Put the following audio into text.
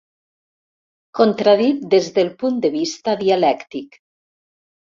Contradit des del punt de vista dialèctic.